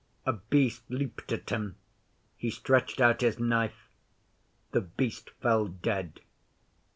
A Beast leaped at him. He stretched out his knife. The Beast fell dead.